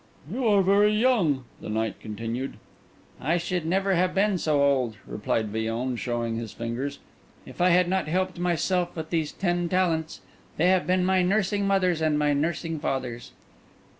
"You are very young," the knight continued. "I should never have been so old," replied Villon, showing his fingers, "if I had not helped myself with these ten talents. They have been my nursing mothers and my nursing fathers."